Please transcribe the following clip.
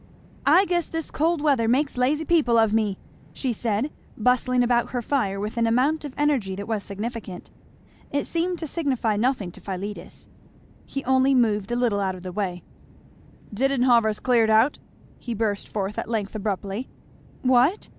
"I guess this cold weather makes lazy people of me!" she said bustling about her fire with an amount of energy that was significant. It seemed to signify nothing to Philetus. He only moved a little out of the way. "Didenhover's cleared out," he burst forth at length abruptly. "What!"